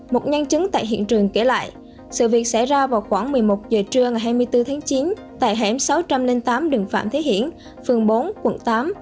một nhân chứng tại hiện trường kể lại sự việc xảy ra vào khoảng một mươi một giờ trưa ngày hai mươi bốn tháng chín tại hẻm sáu trăm linh tám đường phạm thế hiển phường bốn quận tám